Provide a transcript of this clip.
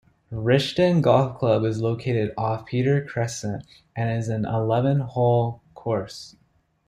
Rishton Golf Club is located off Petre Crescent, and is an eleven-hole course.